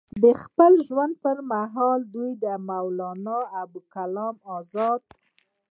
د خپل ژوند پۀ محال دوي د مولانا ابوالکلام ازاد